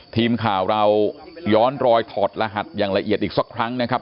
ทีมข่าวเราย้อนรอยถอดรหัสอย่างละเอียดอีกสักครั้งนะครับ